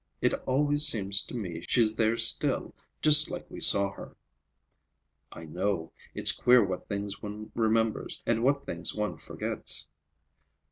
It always seems to me she's there still, just like we saw her." "I know. It's queer what things one remembers and what things one forgets."